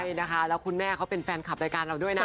ใช่นะคะแล้วคุณแม่เขาเป็นแฟนคลับรายการเราด้วยนะ